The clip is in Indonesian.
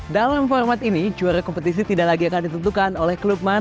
dalam format ini juara kompetisi tidak lagi akan ditentukan oleh klub klub yang lain